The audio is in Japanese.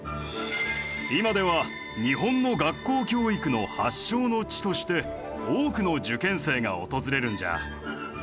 今では日本の学校教育の発祥の地として多くの受験生が訪れるんじゃ。